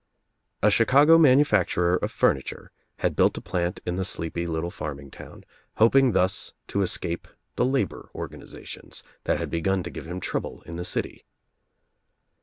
A Chicago manufacturer of furniture had built a plant in the sleepy little farming town, hoping thus to escape the labor organizations that had begun to give him trouble in the city.